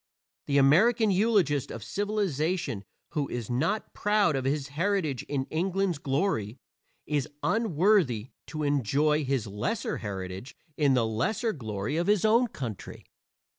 The American eulogist of civilization who is not proud of his heritage in England's glory is unworthy to enjoy his lesser heritage in the lesser glory of his own country.